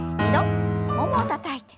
ももをたたいて。